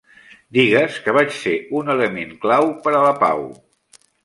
Digues que vaig ser un element clau per a la pau.